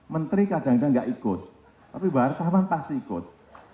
menteri kadang kadang tidak ikut tapi wartawan pasti ikut